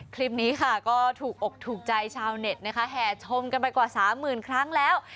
คลิปนี้ก็ถูกอกถูกใจชาวเน็ตแห่ชมกันไปกว่า๓๐๐๐๐ครั้งแล้ว